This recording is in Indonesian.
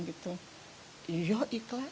saya berkata ibu sudah ikhlas kan